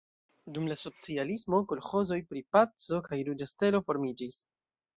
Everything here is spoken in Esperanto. Dum la socialismo kolĥozoj pri Paco kaj Ruĝa Stelo formiĝis.